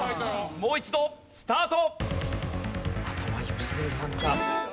もう一度スタート。